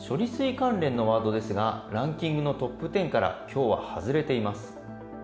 関連のワードですが、ランキングのトップ１０から今日は外れています。